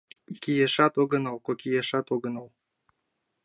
Икияшат огынал, кокияшат огынал